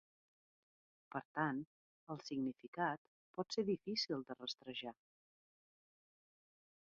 Per tant, el significat pot ser difícil de rastrejar.